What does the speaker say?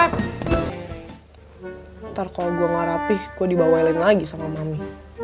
ntar kalo gue ngelarapih gue dibawahin lagi sama mami